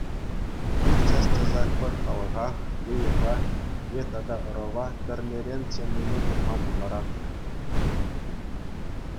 Эпир час-часах пӗр халӑхах е йӑха е тата ӑрӑва тӗрлӗрен чӗннине курма пултаратпӑр.